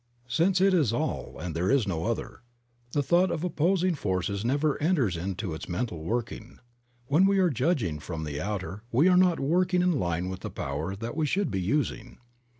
Since it is all and there is no other, the thought of opposing forces never enters into its mental working; when we are judging from the outer we are not working in line with the power that we should be using.